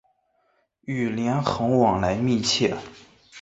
与连横往来密切。